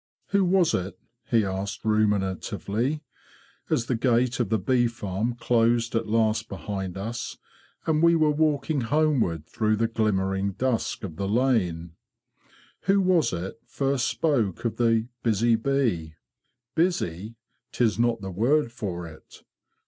""Who was it,'? he asked ruminatively, as the gate of the bee farm closed at last behind us, and we were walking homeward through the glimmer ing dusk of the lane—'' who was it first spoke of the 'busy bee'? Busy! 'Tis not the word for it!